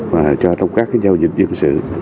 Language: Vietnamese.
và cho trong các giao dịch dân sự